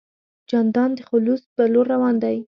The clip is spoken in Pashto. جانداد د خلوص په لور روان دی.